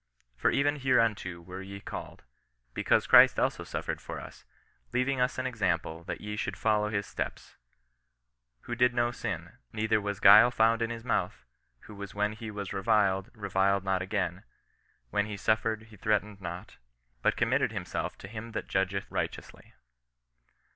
For even hereunto were ye called; because Christ also suffered for us, leaving us an example that ye should follow his CHRISTIAN NON RESISTANCE. 41 steps : who did no sin, neither was guile found in his mouth : who when he was reviled, reviled not again ; when he suffered, he threatened not; but committed himself to him that judgeth righteously."